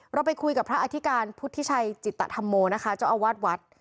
เราไปคุยกับพระอธิการพุทธิชัยจิตธรรมโมนะคะเจ้าอาวาสวัด